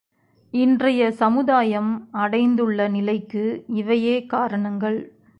இன்றைய சமுதாயம் அடைந்துள்ள நிலைக்கு இவையே காரணங்கள்.